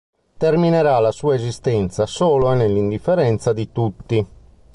Terminerà la sua esistenza, solo e nell'indifferenza di tutti.